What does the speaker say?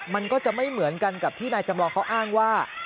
มันก็จะไม่เหมือนกันกับที่นายจำลองเขาอ้างว่า